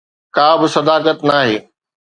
ڪابه صداقت ناهي